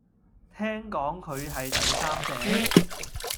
聽講佢係第三者